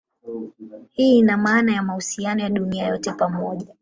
Hii ina maana ya mahusiano ya dunia yote pamoja.